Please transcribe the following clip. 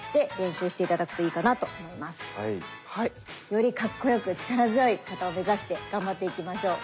よりかっこよく力強い形を目指して頑張っていきましょう。